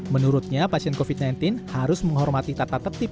menurutnya pasien covid sembilan belas harus menghormati tata tertib